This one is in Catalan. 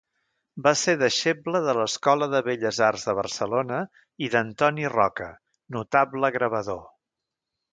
Va ser deixeble de l'Escola de Belles Arts de Barcelona i d'Antoni Roca, notable gravador.